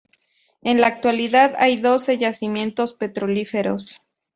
En la actualidad hay doce yacimientos petrolíferos.